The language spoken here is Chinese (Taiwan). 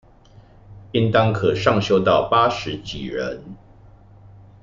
應當可上修到八十幾人